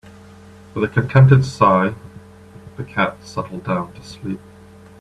With a contented sigh, the cat settled down to sleep.